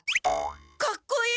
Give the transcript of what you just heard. かっこいい！は？